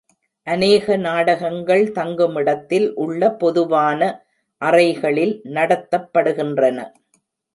அநேக நாடகங்கள் தங்குமிடத்தில் உள்ள பொதுவான அறைகளில் நடத்தப்படுகின்றன.